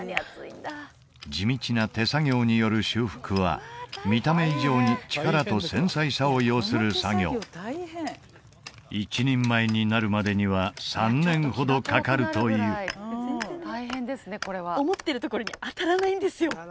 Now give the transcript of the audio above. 地道な手作業による修復は見た目以上に力と繊細さを要する作業一人前になるまでには３年ほどかかるという思ってるところに当たらないんですよ